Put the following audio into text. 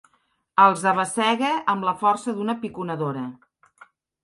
Els abassega amb la força d'una piconadora.